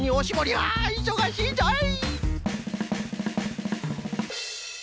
ああいそがしいぞい！